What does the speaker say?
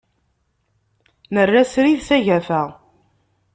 Nerra srid s agafa.